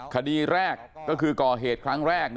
คดีแรกก็คือก่อเหตุครั้งแรก